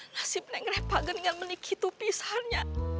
nasibnya neng repa saja bisa pulang sendiri